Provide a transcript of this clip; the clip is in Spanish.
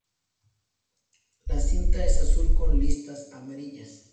La cinta es azul con listas amarillas.